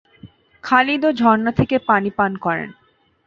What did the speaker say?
খালিদ ও ঝর্ণা থেকে পানি পান করেন।